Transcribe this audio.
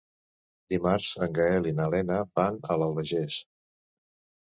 Dimarts en Gaël i na Lena van a l'Albagés.